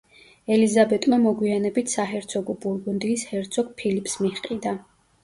ელიზაბეტმა მოგვიანებით საჰერცოგო ბურგუნდიის ჰერცოგ ფილიპს მიჰყიდა.